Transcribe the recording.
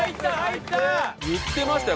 言ってましたよ